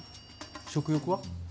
食欲は？